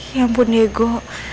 ya ampun nego